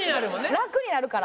楽になるから。